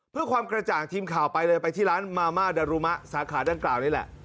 เพื่อความกระจ่างทีมข่าวไปเลยไปที่ร้านมาม่าดารุมะสาขาดังกล่าวนี่แหละ